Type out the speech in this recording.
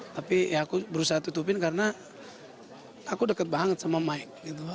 tapi ya aku berusaha tutupin karena aku dekat banget sama mike gitu